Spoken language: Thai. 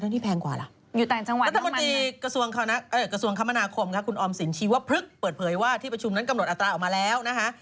อ๋ออันนี้แพงกว่าหรอนัฐมนตรีกระทรวงคมนาคมครับคุณออมสินชีว่าเพลิกเปิดเผยว่าที่ประชุมนั้นกำหนดอัตราออกมาแล้วนะฮะ